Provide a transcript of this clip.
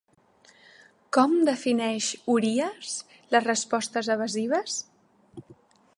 Com defineix Urías les respostes evasives?